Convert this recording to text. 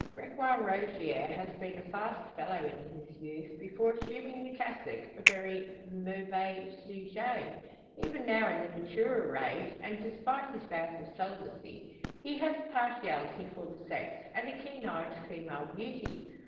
Gregoire Rogier has been a fast fellow in his youth before assuming the cassock a very mauvais sujet. Even now in the maturer age, and despite his vows of celibacy, he has a partiality for the sex, and a keen eye to female beauty.